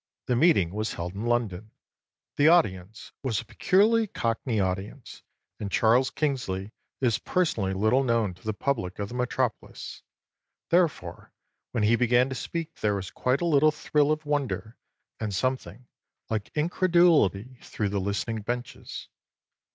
The meeting was held in London, the audience was a peculiarly Cockney audience, and Charles Kingsley is personally little known to the public of the metropolis. Therefore when he began to speak there was quite a little thrill of wonder and something like incredulity through the listening benches.